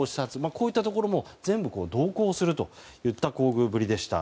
こういったところも全部同行するといった厚遇ぶりでした。